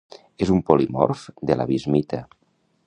És un polimorf de la bismita.